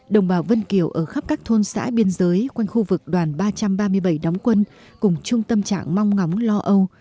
đồng bào vân kiều ở khắp các thôn xã biên giới quanh khu vực đoàn ba trăm ba mươi bảy đóng quân cùng trung tâm trạng mong ngóng lo âu